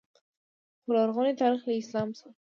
خو لرغونی تاریخ له اسلام مخکې و